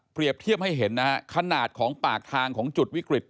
เปรียบเทียบให้เห็นขนาดของปากทางของจุดวิกฤต